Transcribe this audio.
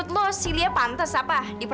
tidak ada apa apa